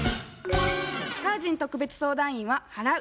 タージン特別相談員は「払う」